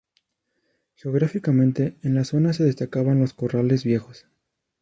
Geográficamente, en la zona se destacaban los Corrales Viejos.